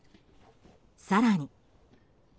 更に。